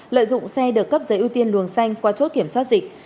lợi dụng xe được cấp giấy ưu tiên luồng xanh qua chốt kiểm soát dịch